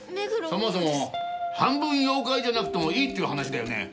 そもそも半分妖怪じゃなくてもいいっていう話だよね。